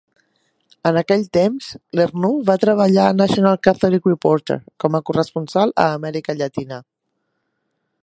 En aquell temps, Lernoux va treballar al "National Catholic Reporter" com a corresponsal a Amèrica Llatina.